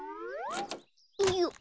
よっ。